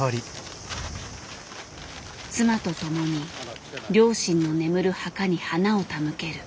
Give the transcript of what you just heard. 妻と共に両親の眠る墓に花を手向ける。